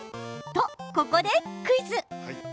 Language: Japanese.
と、ここでクイズ。